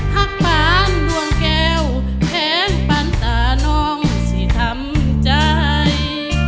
หักปานดวงแก้วแผนปานตาน้องสิทำใจ